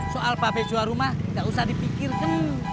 soal babe jual rumah gak usah dipikirin